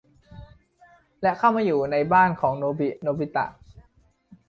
และเข้ามาอยู่ในบ้านของโนบิ โนบิตะ